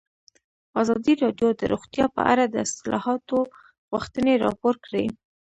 ازادي راډیو د روغتیا په اړه د اصلاحاتو غوښتنې راپور کړې.